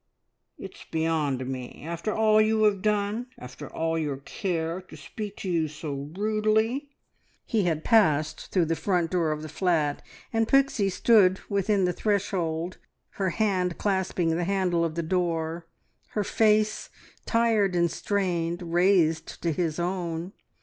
"It's beyond me. After all you have done after all your care, to speak to you so rudely! " He had passed through the front door of the flat, and Pixie stood within the threshold, her hand clasping the handle of the door, her face, tired and strained, raised to his own.